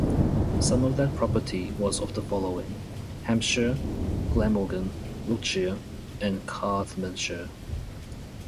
Some of that property was of the following: Hampshire, Glamorgan, Wiltshire, and Carmarthenshire.